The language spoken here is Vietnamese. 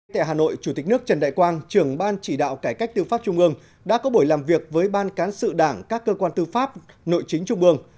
tại hà nội chủ tịch nước trần đại quang trưởng ban chỉ đạo cải cách tư pháp trung ương đã có buổi làm việc với ban cán sự đảng các cơ quan tư pháp nội chính trung ương